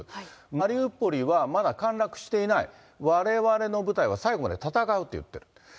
マリウポリはまだ陥落していない、われわれの部隊は最後まで戦うと言ってる。